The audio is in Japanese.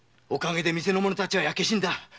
おかげで店の者たちは焼け死んだ。